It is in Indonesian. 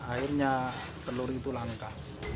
akhirnya telur itu langka